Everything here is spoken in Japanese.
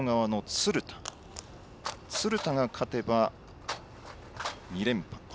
鶴田が勝てば２連覇です。